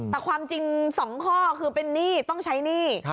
แต่ความจริง๒ข้อคือเป็นหนี้ต้องใช้หนี้